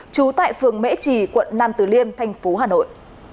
trú tại phường mễ trì quận nam tử liêm tp hà nội